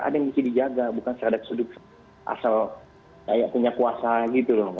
ada yang bisa dijaga bukan seradak sedut asal punya kuasa gitu loh mbak